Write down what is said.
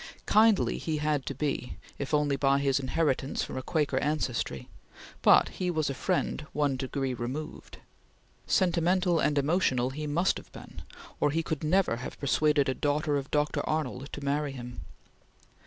Kindly he had to be, if only by his inheritance from a Quaker ancestry, but he was a Friend one degree removed. Sentimental and emotional he must have been, or he could never have persuaded a daughter of Dr. Arnold to marry him.